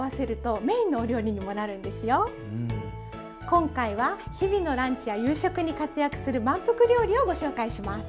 今回は日々のランチや夕食に活躍する満腹料理をご紹介します。